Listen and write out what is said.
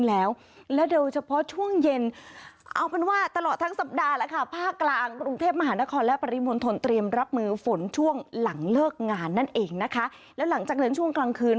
เลิกงานนั่นเองนะคะแล้วหลังจากเดินช่วงกลางคืน